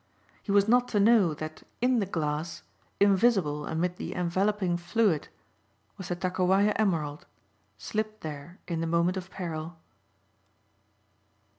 He was not to know that in the glass invisible amid the enveloping fluid was the Takowaja emerald, slipped there in the moment of peril.